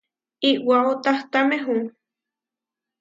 iʼwáo tahtámehu.